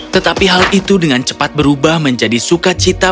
tetapi hal itu dengan cepat berubah menjadi sukacita